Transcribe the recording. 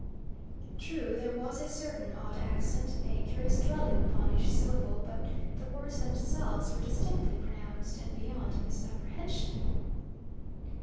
True, there was a certain odd accent, a curious dwelling upon each syllable, but the words themselves were distinctly pronounced and beyond misapprehension.